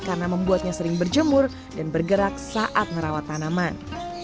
karena membuatnya sering berjemur dan bergerak saat merawat tanaman